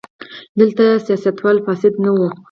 دلته سیاستوال فاسد نه وو.